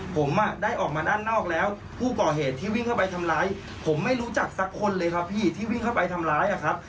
ผมอ่ะได้ออกมาด้านนอกแล้วผู้ก่อเหตุที่วิ่งเข้าไปทำร้ายผมไม่รู้จักสักคนเลยครับพี่ที่วิ่งเข้าไปทำร้ายอะครับ